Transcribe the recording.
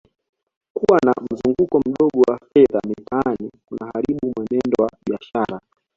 Kuwa na mzunguko mdogo wa fedha mitaani kunaharibu mwenendo wa biashara